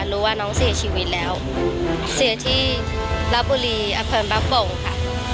รู้ว่าน้องเสียชีวิตแล้วเสียที่รับบุรีอำเภอบางโป่งค่ะ